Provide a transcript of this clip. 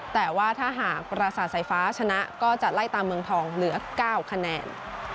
แต่ว่าถ้าหากประสาทสายฟ้าชนะก็จะไล่ตามเมืองทองเหลือ๙คะแนน